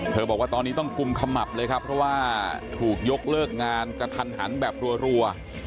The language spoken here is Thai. บอกว่าตอนนี้ต้องกุมขมับเลยครับเพราะว่าถูกยกเลิกงานกระทันหันแบบรัว